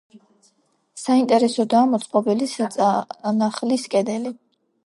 საინტერესოდაა მოწყობილი საწნახლის კედელი.